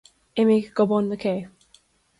Imigh go bun na cé.